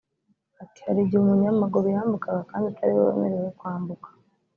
Ati “Hari igihe umunyamaguru yambukaga kandi atari we wemerewe kwambuka